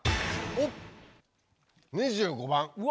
おっ２５番。